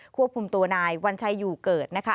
ควบคุมตัวนายวัญชัยอยู่เกิดนะคะ